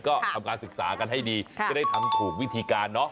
ก็ทำการศึกษากันให้ดีจะได้ทำถูกวิธีการเนอะ